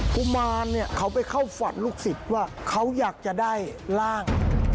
กุมารเนี่ยเขาไปเข้าฝันลูกศิษย์ว่าเขาอยากจะได้ร่าง